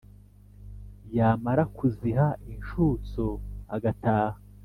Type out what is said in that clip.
yamara kuziha inshutso agataha.